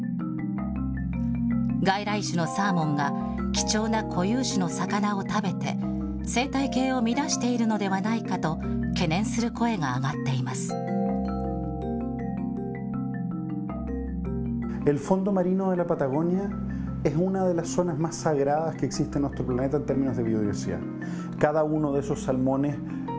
外来種のサーモンが、貴重な固有種の魚を食べて、生態系を乱しているのではないかと、懸念する声が上がっています。